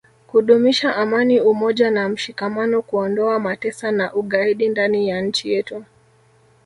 kudumisha amani umoja na mshikamano kuondoa matesa na ugaidi ndani ya nchi yetu